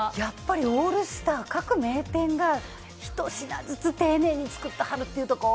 オールスターの各名店がひと品ずつ丁寧に作ってはるってとこ。